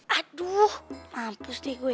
aduh mampus deh gue